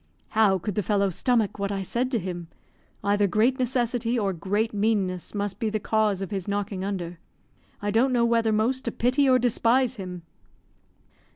"How could the fellow stomach what I said to him? Either great necessity or great meanness must be the cause of his knocking under. I don't know whether most to pity or despise him."